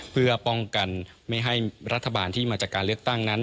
เพื่อป้องกันไม่ให้รัฐบาลที่มาจากการเลือกตั้งนั้น